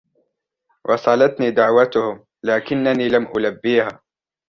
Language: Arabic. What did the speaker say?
وصلتني دعوتهم لكنني لم ألبيها